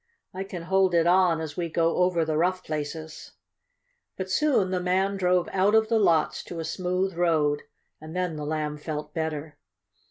"I can hold it on as we go over the rough places." But soon the man drove out of the lots to a smooth road, and then the Lamb felt better.